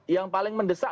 yang paling mendesak